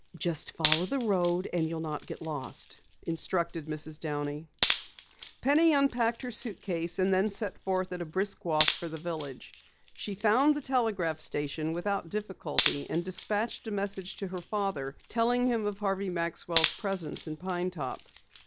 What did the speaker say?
"Just follow the road and you'll not get lost," instructed Mrs. Downey. Penny unpacked her suitcase, and then set forth at a brisk walk for the village. She found the telegraph station without difficulty and dispatched a message to her father, telling him of Harvey Maxwell's presence in Pine Top.